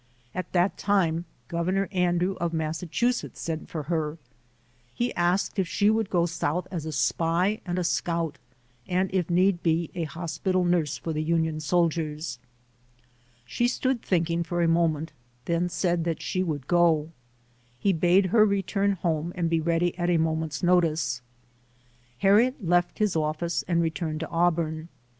At that time, Governor Andrew of Massachu setts sent for her. He asked if she would go South as a spy and a scout, and if need be, a hospital nurse for the Union soldiers. She stood thinking for a moment, then said that she would go. He bade her return home and be ready at a moment's notice. Harriet left his office and re turned to Auburn.